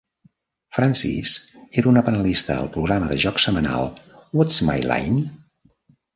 Francis era una panelista al programa de joc setmanal What's My Line?